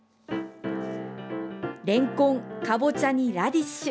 れんこん、かぼちゃにラディッシュ。